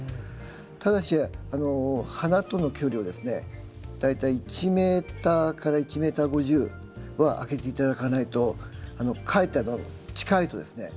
ただし花との距離をですね大体１ｍから１ｍ５０は空けて頂かないとかえって近いとですね